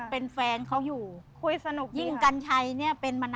เป็นแฟนเขาอยู่คุยสนุกดีครับ